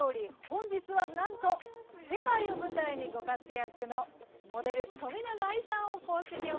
本日はなんと世界を舞台にご活躍のモデル冨永愛さんを講師にお迎えします。